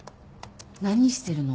何してるの？